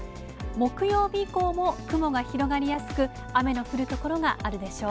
木曜日以降も雲が広がりやすく、雨の降る所があるでしょう。